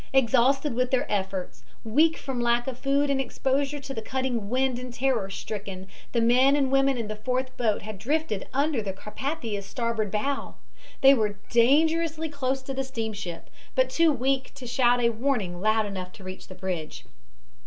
Exhausted with their efforts, weak from lack of food and exposure to the cutting wind and terror stricken, the men and women in the fourth boat had drifted under the Carpathia's starboard bow. They were dangerously close to the steamship, but too weak to shout a warning loud enough to reach the bridge.